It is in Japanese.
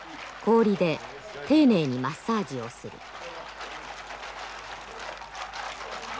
氷で丁寧にマッサージをする。